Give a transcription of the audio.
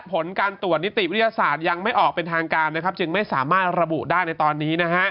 ผลการตรวจนิติวิทยาศาสตร์ยังไม่ออกเป็นทางการนะครับจึงไม่สามารถระบุได้ในตอนนี้นะฮะ